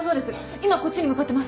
今こっちに向かってます。